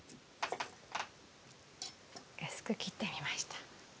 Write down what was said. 薄く切ってみました。